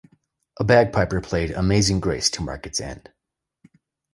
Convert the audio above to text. A bagpiper played "Amazing Grace" to mark its end.